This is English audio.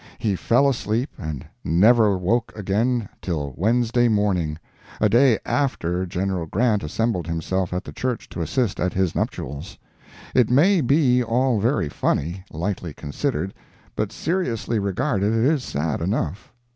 He fell asleep, and never woke again till Wednesday morning—a day after General Grant assembled himself at the church to assist at his nuptials. It may be all very funny, lightly considered, but seriously regarded it is sad enough.